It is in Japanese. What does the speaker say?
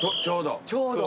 ちょうど？